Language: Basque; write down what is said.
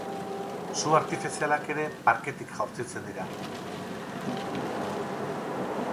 Su artifizialak ere parketik jaurtitzen dira.